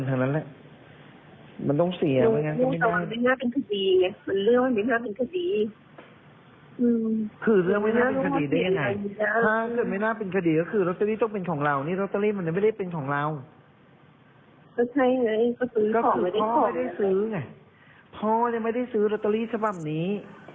พ่อยังไม่ได้ซื้อลอตเตอรี่สำหรับนี้